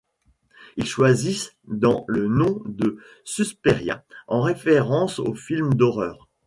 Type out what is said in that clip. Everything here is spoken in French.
Ils choisissent donc le nom de Susperia en référence au film d'horreur '.